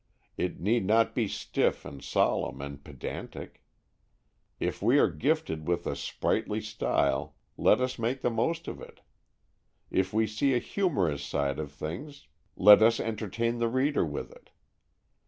It need not be stiff and solemn and pedantic. If we are gifted with a sprightly style, let us make the most of it. If we see a humorous side of things, let us entertain the reader with it.